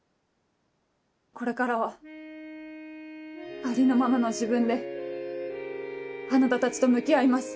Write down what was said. これからはありのままの自分であなたたちと向き合います。